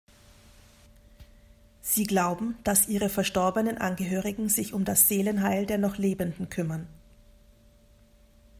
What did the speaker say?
Sie glauben, dass ihre verstorbenen Angehörigen sich um das Seelenheil der noch Lebenden kümmern.